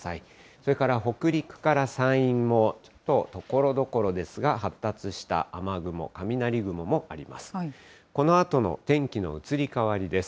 それから北陸から山陰も、ところどころですが、発達した雨雲、雷雲もあります。